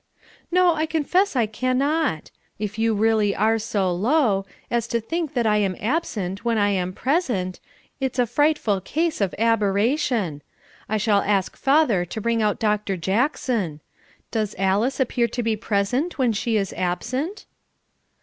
"No, I confess I cannot. If you really are so low, as to think I am absent when I am present, it's a frightful case of aberration; I shall ask father to bring out Dr. Jackson. Does Alice appear to be present when she is absent?"